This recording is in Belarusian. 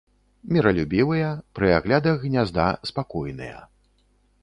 Міралюбівыя, пры аглядах гнязда спакойныя.